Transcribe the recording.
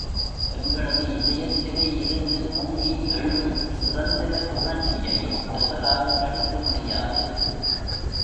எங்களது இதயத்திலே இருந்து பொங்கி எழும் சுதந்திர உணர்ச்சியை எவராலும் தடுக்க முடியாது.